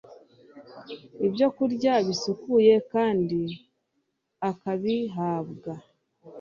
ibyokurya bisukuye kandi akabihabwa